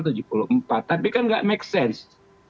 tapi kan nggak make sense